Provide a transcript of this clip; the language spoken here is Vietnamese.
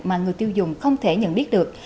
mà người tiêu dùng không thể nhận biết được